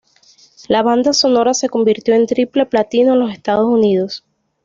La banda sonora se convirtió en triple platino en los Estados Unidos.